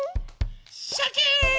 シャキーン！